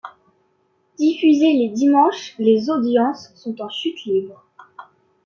Diffusé les dimanches, les audiences sont en chute libre.